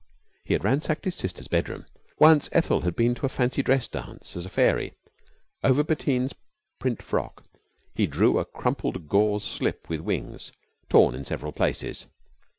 He had ransacked his sister's bedroom. Once Ethel had been to a fancy dress dance as a Fairy. Over Bettine's print frock he drew a crumpled gauze slip with wings, torn in several places.